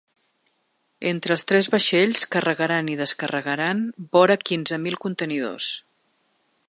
Entre els tres vaixells carregaran i descarregaran vora quinze mil contenidors.